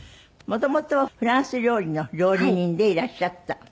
元々フランス料理の料理人でいらっしゃった。